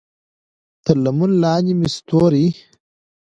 تر لمن لاندې مې ستوري